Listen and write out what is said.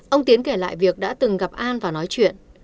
ông tiến kể lại việc đã từng gặp an và nói chuyện